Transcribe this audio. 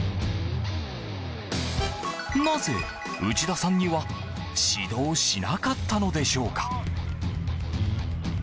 なぜ内田さんには指導しなかったのでしょうか。